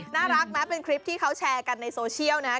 น่ารักนะเป็นคลิปที่เขาแชร์กันในโซเชียลนะครับ